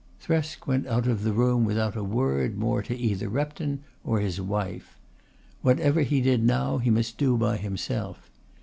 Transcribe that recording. Thresk went out of the room without a word more to either Repton or his wife. Whatever he did now he must do by himself.